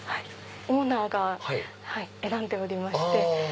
オーナーが選んでおりまして。